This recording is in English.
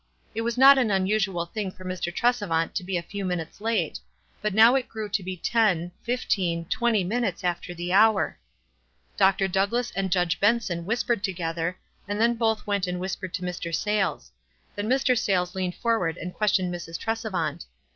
It was not an unusual thin^r for Mr. Tresevant to be a few minutes late ; but now it grew to be ten, fifteen, twenty minutes after the hour. Dr. Douglass and Judge Benson whispered together, and then both went WISE AND OTHERWISE. 379 and whispered to Mr. Sayles ; then Mr. Saylca leaned forward and questioned Mrs. Tresevant.